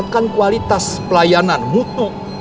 meningkatkan kualitas pelayanan mutu